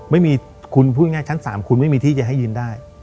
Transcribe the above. ไม่มีคุณพูดง่ายชั้น๓คุณไม่มีที่จะให้ยืนได้